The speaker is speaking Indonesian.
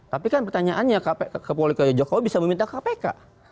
tapi kan pertanyaannya ke politik jokowi bisa meminta kpk